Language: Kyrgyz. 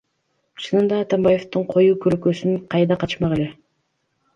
Чынында Атамбаевдин коюу көлөкөсүнөн кайда качмак эле?